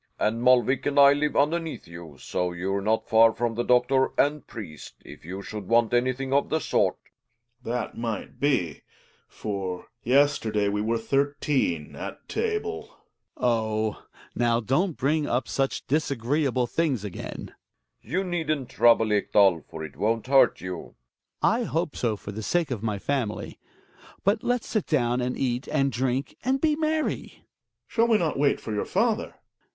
And Molvik and I live underneath you, so you're not far from the doctor and priest, if you should want anything of the sort. Gregers. That might be; for ves t^rdf^y w(^ werft thirteen at table.. (j,"^ltc^r \\ (ff^ fK^fl Hjalmar. Oh ! now don't bring up such disagreeable things again ! Kelling. You needn't trouble, Ekdal, for it won't hurt you. Hjalmar. I hope so for the sake of my family. But let's sit down and eat, and drink, and be merry. Gregers. Shall we not wait for your father ? Hjalmar.